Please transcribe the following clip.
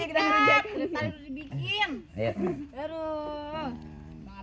ini baru seger